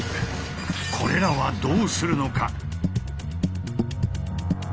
これらはどうするのか？